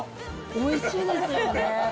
おいしいですよね。